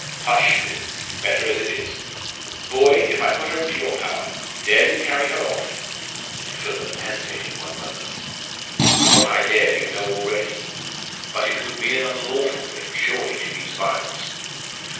'Hush, Smid! Better as it is. Boy, if I put her into your power, dare you carry her off?' Philammon hesitated one moment. 'What I dare you know already. But it would be an unlawful thing, surely, to use violence.